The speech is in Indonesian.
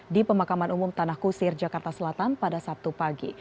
di pemakaman umum tanah kusir jakarta selatan pada sabtu pagi